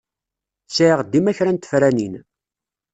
Sɛiɣ dima kra n tefranin.